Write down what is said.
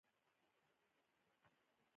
څېړونکي هم کولای شي له دې ګټه واخلي.